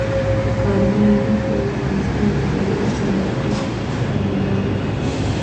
کارمل لیک د افغانستان د دولت د موقف څرګندونه ده.